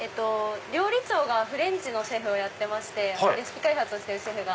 料理長がフレンチのシェフレシピ開発をしてるシェフが。